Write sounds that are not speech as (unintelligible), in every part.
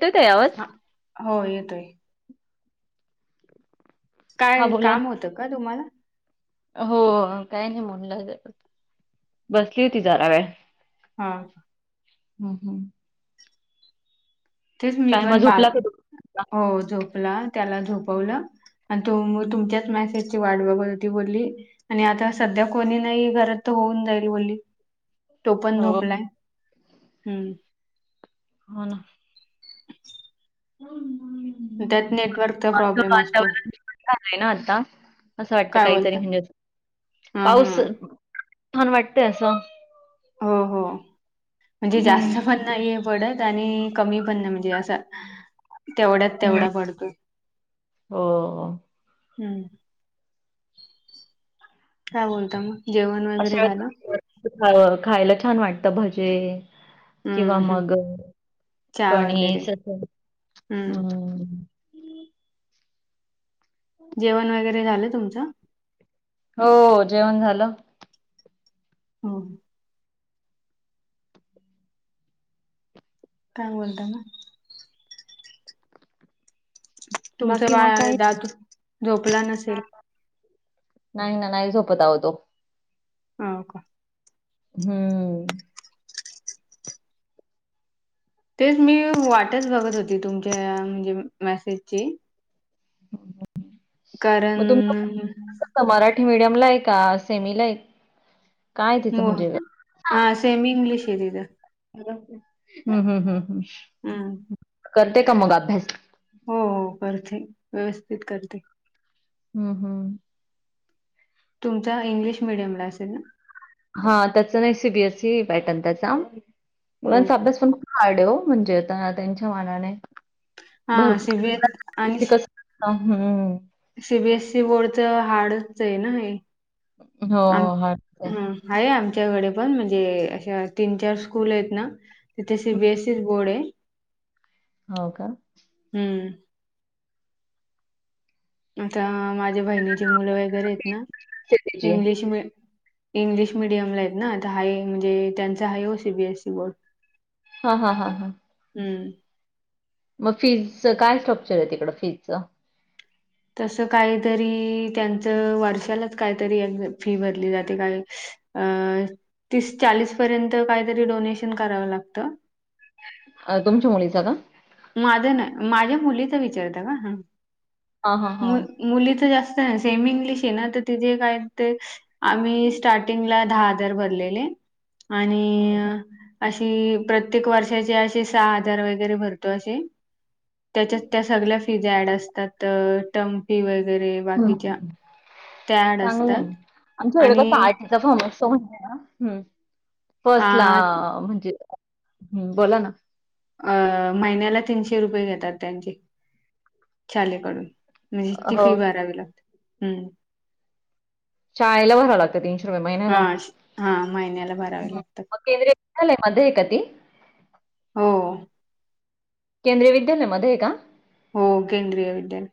येतोय ताई आवाज. हा हो येतोय. हा काय बोला काम ना. होतं का तुम्हाला? हो काय नाही म्हणलं बसली होती जरा वेळ. हा हम हम (inaudible) तेच मी काय मग पण बा, झोपला का तू? हो झोपला त्याला झोपवलं. आणि तु तुमच्याच मेसेजची वाट बघत होती बोलली. आणि आता संध्या कोणी नाही घरात, तर होऊन जाईल बोले. तो पण हो. झोपलाय. हम्म हो ना (inaudible) त्यात नेटवर्कचा प्रॉब्लेम असतो. झालाय ना आता असं वाटतं काय काहीतरी बोलता म्हणजे, हा हा पाऊस छान वाटतय असं. हो हो म्हणजे जास्त हम्म. पण नाहीये. पडत आणि कमी पण नाही म्हणजे असा तेवढ्यात हम्म. तेवढा पडतो. हो हम्म काय बोलता मग जेवण वगैरे झालं? हळू हळू खायला छान वाटतं भजे- किंवा हम्म हम्म. मग चहा वगैरे कणीस, हम्म जेवण वगैरे झालं तुमचं? हो जेवण झालं. हो काय बोलता मग? तुमचं बाकी मग बाळ काय? दादू झोपला नसेल. नाही ना नाही झोपत आहो तो. हा. हम्म तेच मी वाटच बघत होती तुमच्या म्हणजे मेसेजची. हो (inaudible) कारण.... त मराठी मीडियम ला आहे का सेमी ला आहे. काय म तिचं म्हणजे? हा सेमी इंग्लिश आहेे तिथं. हम् हम हम हम् हम्म करते का मग अभ्यास? हो हो करते व्यवस्थित करते. हम्म हम्म तुमचा इंग्लिश मिडियम ला असेल ना. हा त्याचा नाही सी बीएसई पॅटर्न त्याचा हो मुलांचा अभ्यास पण, हार्ड आहे हो, म्हणजे त्यांच्या मानाने हा सीबीएस भरपूर कसं हा हम सी बीएसई बोर्डच हार्डच आहे ना हे, हो आहे. ह आहे आमच्याकडे पण म्हणजे अशा तीन चार स्कूल आहेत ना. तिथे सी बी एस ई स बोर्ड आहे. हो का हम्म आता माझ्या बहिणीची मुलं वगैरे आहेत ना सिटीची. इंग्लिश मे इंग्लिश मिडियमला आहेत ना, आता हाय म्हणजे त्यांचा हा हो सीबीएसई बोर्ड. हा हां हां हम्म मग फीजच काय स्ट्रक्चर आहे तिकडं फीजचं? तसं काहीतरी त्यांचं वर्षालाच काहीतरी ए फी भरली जाते काय अ तीस चाळीस पर्यंत काहीतरी डोनेशन करावं लागतं. अ तुमच्या मुलीचा का? माझं नाय, माझ्या मुलीचा विचारत का ह. हां, हां, हां. मुली तर जास्त आहे सेमी इंग्लिश आहे ना तर तिथे काय ते, आम्ही स्टार्टिंगला दहा हजार भरलेले. आणि अशी प्रत्येक वर्षाची सहा आजार वगैरे भरते. त्याच्या त्या सगळ्या फीज ऍड असतात टम फी वगैरे. ह बाकीच्या त्या ऍड चांगलं असतात आहे. आमच्या आणि वेडगाव चांगलं आहे. फॉम आ फर्स्ट ला म्हणजे, (inaudible) हम्म बोला ना अ महिन्याला तीनशे रुपये घेतात त्यांचे शालेकडून म्हणजे अ इतकी फी भारावी लागते. हम्म शाळेला भरावं लागत तीनशे रुपये हा महिन्याला. श- हा महिन्याला भरावे लागतात मग शालेय मध्ये का ती? हो केंद्रीय विद्यालयामध्ये आहे का? हो केंद्रीय विद्यालय.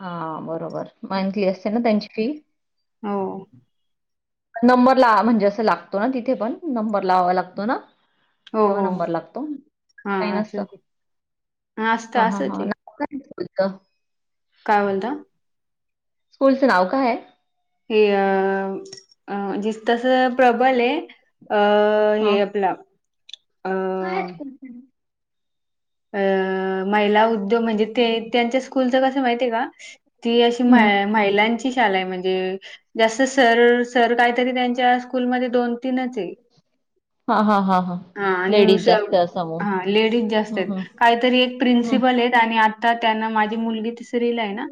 हा बरोबर मंथली असते ना त्यांची फी. हो नंबर ला म्हणजे असं लागतो ना तिथे पण नंबर लावावा लागतो ना. हो तेव्हा हो नंबर लागतो हा काय नसतं. असंच आहे असतं हा हा असंच आहे ह का (inaudible) काय बोलता. स्कूलचं नाव काय. हे अ अ जिस तस प्रबल आहे. अ हे आपलं काय अ महिला उद्योग म्हणजे ते त्यांच्या कस माहिती का? ती अशी म महिलांची शाळा आहे म्हणजे, जास्त सर, सर काहीतरी त्यांच्या स्कूलमध्ये दोन तीनच आहे. हा आणि लेडीज जास्त असं मग हा लेडीज जास्त हम्म त. हम्म काहीतरी एक हं. प्रिन्सिपल आहेत आणि आता त्यांना माझी मुलगी तिसरीला आहे ना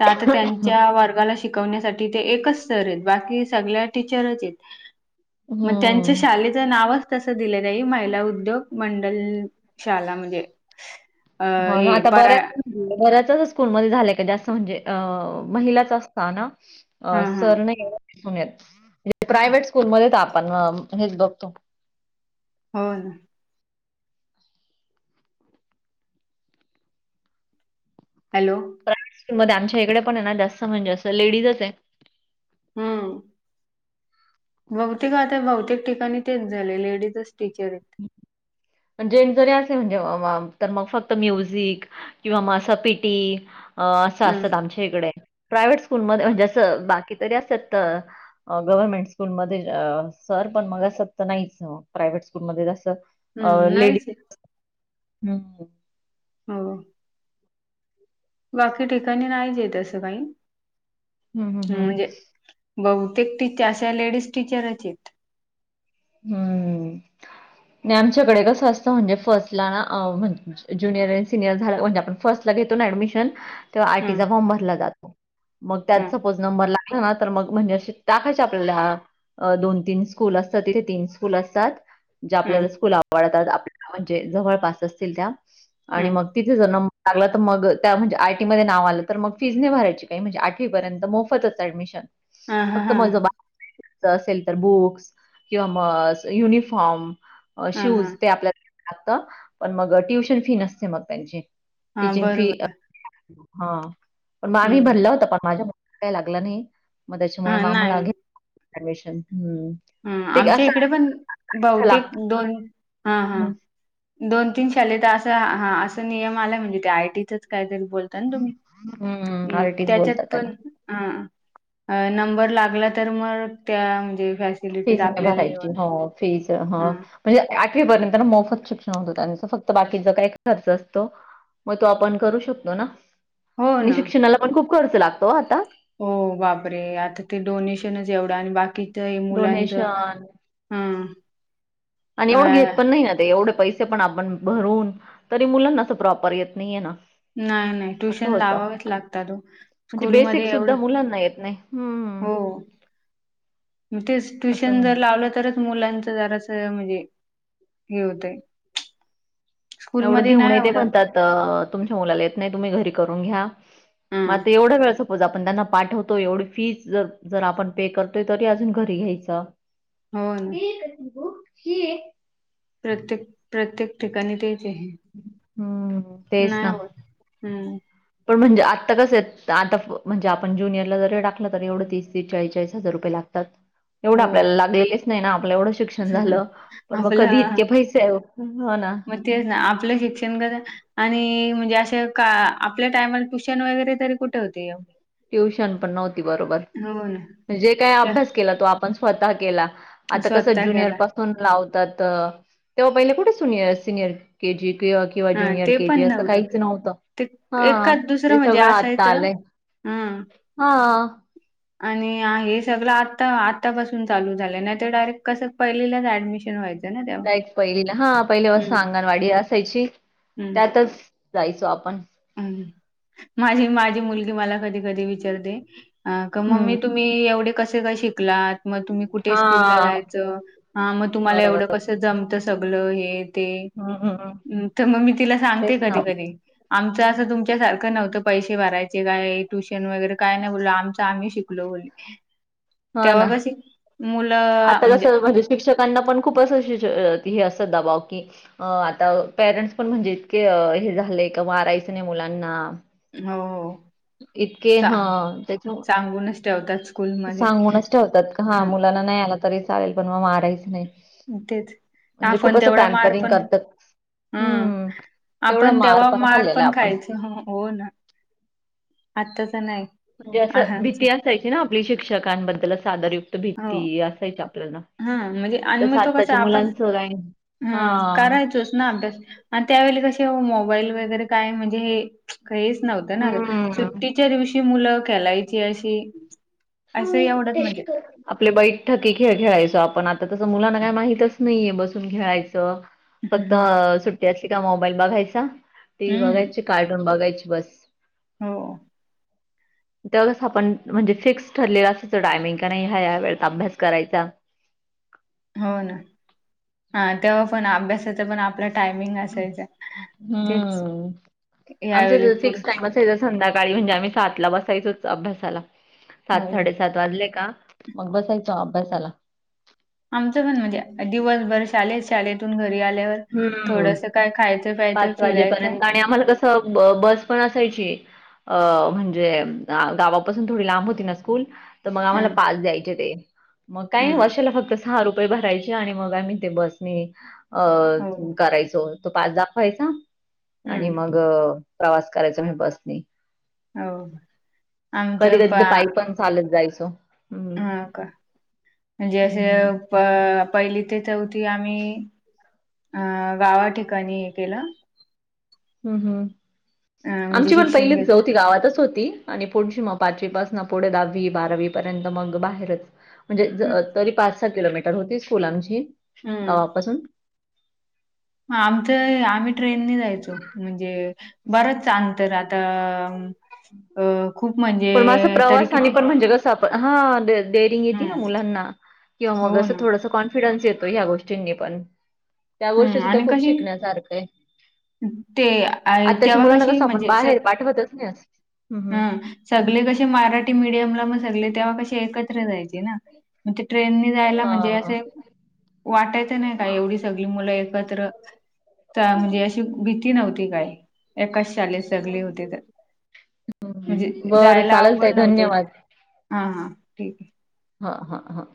तर आता त्यांच्या वर्गाला श शिकवण्यासाठी ते एकच सर आहेत बाकी सगळ्या टीचरच आहेत. हं. मग त्यांच्या शालेत नावच तसं दिलंय तेन्ही महिला उद्योग मंडल शाला म्हणजे. अ हो हे ना आता परा बरं बऱ्याच स्कूलमध्ये झालंय का जास्त म्हणजे अ महिलाच असता ना. हा अ हा सर नाही एवढे दिसून येत, प्रायव्हेट स्कूलमध्येच आपण हेच बघतो. हो ना. हॅलो. प्रा मध्ये आमच्या इकडे पण आहे ना जास्त म्हणजे असं लेडीजच आहे. हा. बहतेिक आता बहतेक ठिकाणी तेच झाले लेडीजच टीचर आहेत. जेन्स जरी असले म्हणजे मग फक्त म्युझिक किंवा म असा पिटी असं हम्म असतं आमच्या इकडे प्रायव्हेट स्कूलमध्ये म्हणजे असं बाकी तरी असत गव्हरर्मेंट स्कूलमध्ये सर पण मग असत नाहीच प्रायवेट स्कूलमध्ये जस हम्म नाहीच आहे लेडीज हंम (unintelligible) बाकी ठिकाणी नाहीचं आहे तसं काही, हं, हं, हंम हं. म्हणजे बहुतेक तिथे अशा लेडीज टीचरच आहेत. हम्म ते आमच्याकडे कसं असत म्हणजे फर्स्टला अ म्हण जुनिअर आणि सिनियर झाला म्हणजे आपण फर्स्टला ला घेतोना ऍडमिशन तेव्हा, हं आरटीचा फॉर्म भरला जातो. मग त्यात हं सपोज नंबर लागला ना, तर मग म्हणजे अस टाकायचे आपल्याला हा अ दोन तीन स्कूल असतात, तिथे तीन स्कूल असतात जे हं आपल्याला स्कूल वाढतात आपल्याला म्हणजे जवळपास असतील त्या आणि हं मग तिथे जर नंबर लागला तर मग त्या म्हणजे आरटीमध्ये नाव आलं तर मग फीज नाही भरायची काही म्हणजे आठवीपर्यंत मोफतच ऍडमिशन हा हा फक्त हा माझं (unintelligible) असेल तर बुक्स. किंवा म युनिफॉर्म, हा हा शूज ते आपल्या आत पण मग ट्युशन फी नसते मग त्यांची. हा टीचिंग फी बरोबर हा पण आम्ही हं भरला होत पण माझ्या काय लागला नाही मग त्याच्यामुळे हा मग आम्हाला नाही घेतलं ऍडमिशन हम्म. हा आमच्या इकडे पण बहुतेक लागतं. दोन हा हा. हं. दोन तीन शाळेत असा हा असा नियम आलाय म्हणजे ते आरटीचंच कायतरी बोलता न तुम्ही, हं. आरटीच त्याच्यात बोलतात त्याला. पण हा नंबर लागला तर मग त्या म्हणजे फॅसिलिटीत फीज नाही आपल्याला भरायची घेऊन हो फीज हा हं म्हणजे आठवीपर्यंत मोफत शिक्षण होत, त्यांच फक्त बाकीचा काही खर्च असतो. मग तो आपण करू शकतो ना, हो आणि ना शिक्षणाला पण खूप खर्च लागतो आता. हो बापरे आता ते डोनेशनच एवढं आणि बाकीच हे मुलांच डोनेशन हा आणि अ एवढं घेत पण नाही ना ते एवढे पैसे पण आपण भरून तरी मुलांनाअसं प्रॉपर येत नाहीये ना. ना नाही असं ट्युशन होतं. लावावेच हो, म्हणजे बेसिक तोस्कूलमध्ये सुद्धा एवढं मुलांना येत नाही. हं. हो. तेच असं ट्युशन होतं. जर लावलं तरचं मुलांच जरास म्हणजे हे होतय. एवढं घेऊन येते म्हणतात. अ तुमच्या मुलाला येत नाही तुम्ही घरी करून घ्या हा मला तर एवढं सगळं रोज आपण त्यांना पाठवतो एवढी फीस ज जर आपण ते करतोय तरी अजून घरी घ्यायच हो ना (unintelligible) प्रत्येक, प्रत्येक ठिकाणी द्यायचे आहे हम्म तेच नाही ना. होत. हम्म. पण म्हणजे आत्ता कसं, आता म्हणजे आपण जुनियरला जरी टाकलं, तर एवढ तीस, तीस चाळी चाळीसजार रुपये लागतात. एवढं हो आपल्याला लागलेलेच नाही आपल्या एवढं- शिक्षण झालं पण मग कधी आपलं इतके पैसे हो ना. मग तेच ना आपलं शिक्षण क- आणि म्हणजे असे का आपल्या टायमला ट्युशन वगैरे तरी कुठे? होते. ट्युशन पण नव्हती बरोबर हो ना जे त्या काय तो आपण स्वतः केला. आता कसं स्वतः ज्युनिअर केला प लावतात. तेव्हा पहिले कुठे? सिनियर केजी किंवा हा ज्युनीयर ते के पण जी काहीच नव्हतं ते हा ते सगळं आता आलंय. हम. हा. आणि हे सगळं आता आत्तापासून चालू झालं नाही ते डायरेक्ट कसं पहिलीलाच ऍडमिशन व्हायचं. ना तेव्हा. डायरेक्ट पहिलीला हा पहिलीपासून हम्म. अंगणवाडी असायची त्यातच- जायचो आपण. हम माझी, माझी मुलगी मला कधी, कधी विचारते. अ का मम्मी हं, तुम्ही एवढे कसे? काय शिकलात मग तुम्ही कुठे? स्कूलला हां, जायचं. ह मग तुम्हाला एवढं बरोबर. कसं जम सगळ हे ते हं, हं, हं, तर मग मी तिला सांगते तेच ना. कधी कधी. आमचं असं तुमच्यासारखं नव्हतं पैसे भरायच. का ट्युशन वगैरे काय नाही बोल आमच आम्ही शिकलो बोल. हो तेव्हा ना. कशी मुलं आता म्हणजे. कसं शिक्षकांना पण खूप अस श हे असतं दबाव. अ आता पेरेंट्स पण म्हणजे इतके हे झाले का मारायचं नाही मुलांना. हो हो. इतके हा सांग त्याच्या सांगूनच ठेवतात स्कूलमध्ये सांगूनच ठेवतात. हा ह मुलांना नाही आला तरी चालेल पण मग मारायच नाही. तेच म्हणजे खूप आपण असं तेवढा मार पॅम्परिंग पण- करतात. हम्म हं, तेवढा आपण तेव्हा मार खाल्लेला पण आहे आपण. खायच हो ना. आत्ताच नाही. म्हणजे असं आहाच भीती असायची ना आपली शिक्षकांबद्दलच आदरयुक्त भीती असायची आपल्याला. हम म्हणजे आणि तसं मग तो कसं आत्ताच्या आपण मुलांचं काय हम् हां, करायचोच ना अभ्यास. आणि त्यावेळी कसे मोबाईल वगैरे काय म्हणजे हे हेच नव्हतं ना सु हं. ट्टीच्या दिवशी मुलं खेलायची अशी. असं एवढंच म्हणजे (unintelligible) आपले बैट ठकी खेळ खेळायचो आपण आता तसं मुलांना काय माहितच नाहीये बसून खेळायचं. फक्त सुट्टी असली का मोबाईल बघायचा. टी व्ही हम्म बघायची कार्टून बघायची बस. हो. त्याळेस आपण म्हणजे फिक्स. ठरलेलं असाचं टडायमिंग का नाही हा या वेळचा अभ्यास करायचा. हो ना हा तेव्हा पण अभ्यासाच पण आप आपला टायमिंग असायच तेच हम्म यावेळी आमचं पूर- फिक्स टाइम संध्याकाळी म्हणजे आम्ही सातला बसायचोच अभ्यासाला सात, हो साडेसात. वाजले का? मग आपण बसायचं अभ्यासाला. आमचं पण म्हणजे दिवसभर शालेत शालेेतून घरी आल्यावर- हम्म थोडस काय खायचं प्यायचं पाच फिरायचं वाजेपर्यंत आणि आम्हाला कसं. बस पण असायची. अं म्हणजे गावापासून थोडी लांब होती ना स्कूल. तर मग ह आम्हाला पास द्यायचे ते मग काय ह वर्षाला फक्त- सहा रुपये भरायचे आणि मग आम्ही ते बसनी अ हो करायचो. पास दाखवायचा आणि तो आणि हम्म मग प्रवास करायचा म्हणजे बसने. हो आमच्या कधी कधी बा तर पायी पण चालत जायचो. हम्म ह का? म्हणजे हे. हम्म अ पहिली ते चौथी आम्ही अ गावा ठिकाणी हे केलं. हम् हम् अ म्हणजे आमची पण शिक्षण पहिली घेतलं होती गावातच होती. आणि पुढची मग पाचवीपास ना पुढे दहावी बारावी पर्यंत मग बाहेरच. म्हणजे तरी पाच, सहा किलोमीटर होती स्कुला आमची हम्म गावापासून. आमचं आम्ही ट्रेनने जायचो म्हणजे बरंच आंतर आता अ खूप म्हणजे पण मग असं तरी प्रवासाने किती? पण म्हणजे कसं हा डेअरिंग येते ना हं, मुलांना किंवा मग हो असं ना. थोडंस कॉन्फ फिडन्स येतो ह गोष्टींनी पण त्या गोष्टी हं सुद्धा आणि खूप कशी शिकण्यासारखं आहे. ते आई आताच्या तेव्हा मुलाना कशी कसं आपण बाहेर पाठवतच नाही. हम्म हम्म. हम सगळे कसे मराठी मिीडियमला मग सगळे तेव्हा कसे एकत्र जायचे ना. मग ते जायला हा म्हणजे हा. असे. वाटायचं नाही का एवढी सगळी मुलं एकत्र चांगली अशी- ती नव्हती काय एकाच शालेेत सगळे होते तर. म्हणजे हम्म. बरं जायला चालेल ताई अवघड नव्हतं धन्यवाद. हा हा ठीक आहे. हा हा हा.